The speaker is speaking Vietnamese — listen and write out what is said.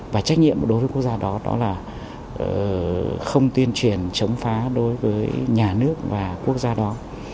và trách nhiệm đối với quốc gia đó đó là không tuyên truyền chống phá đối với nhà nước và quốc gia đó